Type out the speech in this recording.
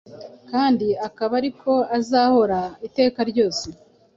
kandi akaba ari ko azahora iteka ryose,